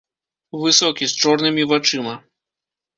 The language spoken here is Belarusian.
Высокі, з чорнымі вачыма.